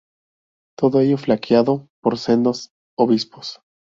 Todo ello flanqueado por sendos obispos.